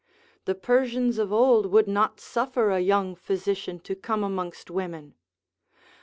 The Persians of old would not suffer a young physician to come amongst women.